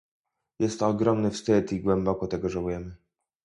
Jest to ogromny wstyd i głęboko tego żałujemy